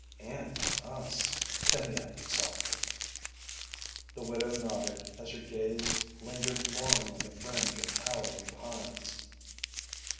"And to us," Penny added softly. The widow nodded as her gaze lingered long on the fringe of towering pines.